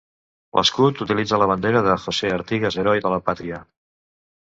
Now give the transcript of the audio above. L'escut utilitza la bandera de José Artigas, heroi de la pàtria.